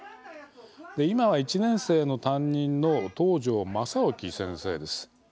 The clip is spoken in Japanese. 今は、１年生の担任の東條正興先生です。